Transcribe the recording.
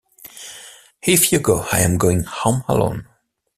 If you go I'm going home alone.